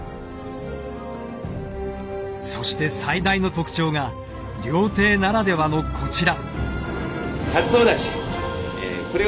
そして最大の特徴が料亭ならではのこちら。